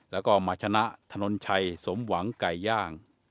แล้วก็มาชนะถนนชัยสมหวังไก่ย่าง